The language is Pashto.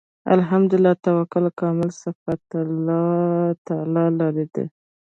الحمد لله . ټول کامل صفتونه خاص الله تعالی لره دی